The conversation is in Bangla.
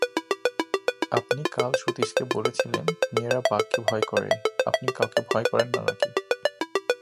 আপনি কাল সতীশকে বলেছিলেন মেয়েরা বাঘকে ভয় করে–আপনি কাউকে ভয় করেন না নাকি?